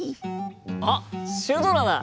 あっシュドラだ！